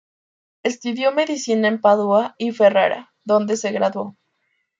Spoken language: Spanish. Estudió medicina en Padua y Ferrara donde se graduó.